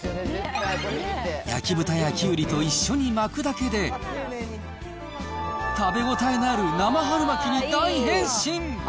焼き豚やきゅうりと一緒に巻くだけで、食べ応えのある生春巻きに大変身。